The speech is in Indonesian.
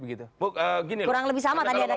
kurang lebih sama tadi anda katakan